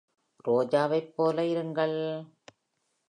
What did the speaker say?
ரோஜாவைப் போல இருங்கள்!